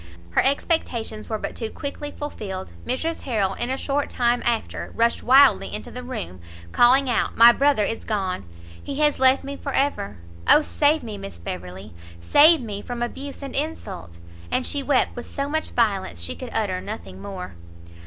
Her expectations were but too quickly fulfilled; Mrs Harrel in a short time after rushed wildly into the room, calling out "My brother is gone! he has left me for ever! Oh save me, Miss Beverley, save me from abuse and insult!" And she wept with so much violence she could utter nothing more.